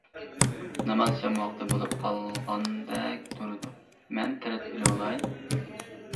ناماز شام ۋاقتى بولۇپ قالغاندەك تۇرىدۇ، مەن تەرەت ئېلىۋالاي.